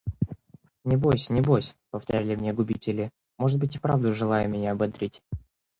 «Не бось, не бось», – повторяли мне губители, может быть и вправду желая меня ободрить.